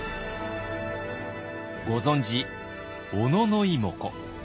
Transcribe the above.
ご存じ小野妹子。